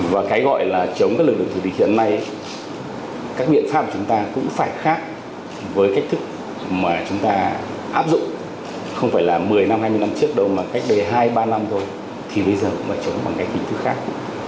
và cái gọi là chống các lực lượng thủ địch hiện nay các biện pháp của chúng ta cũng phải khác với cách thức mà chúng ta áp dụng không phải là một mươi năm hai mươi năm trước đâu mà cách đây hai ba năm thôi thì bây giờ cũng phải chống bằng cách hình thức khác